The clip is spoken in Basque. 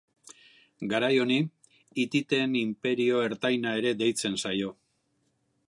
Garai honi, hititen inperio ertaina ere deitzen zaio.